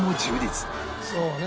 そうね